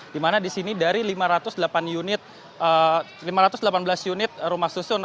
dimana disini dari lima ratus delapan belas unit rumah susun atau perusunan